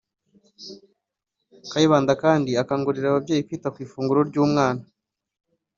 Kayibanda kandi akangurira ababyeyi kwita ku ifunguro ry’umwana